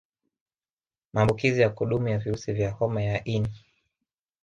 Maambukizi ya kudumu ya virusi vya Homa ya ini